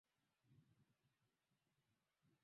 kutenda kama wanyama Lengo lao hili lilitimia kwani kuna